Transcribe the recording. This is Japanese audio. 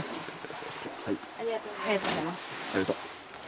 ありがとう。